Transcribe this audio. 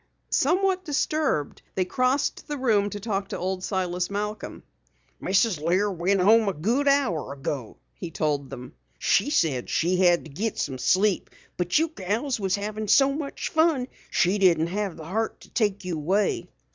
Somewhat disturbed, they crossed the room to talk to old Silas Malcom. "Mrs. Lear went home a good hour ago," he told them. "She said she had to git some sleep, but you gals was havin' so much fun she didn't have the heart to take you away."